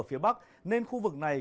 ở phía bắc nên khu vực này